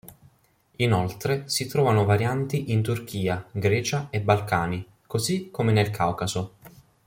Inoltre, si trovano varianti in Turchia, Grecia e Balcani, così come nel Caucaso.